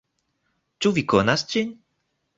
Ĉu vi konas ĝin?